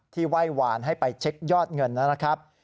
ไหว้วานให้ไปเช็คยอดเงินนะครับ